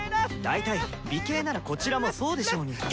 大体美形ならこちらもそうでしょうに。